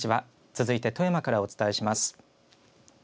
続いて富山からお伝えします。